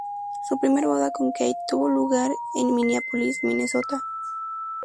Su primera boda con Keith tuvo lugar en Minneapolis, Minnesota.